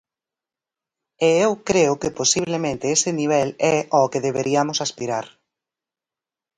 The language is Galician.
E eu creo que posiblemente ese nivel é ao que deberiamos aspirar.